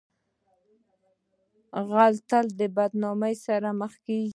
غل تل د بدنامۍ سره مخ کیږي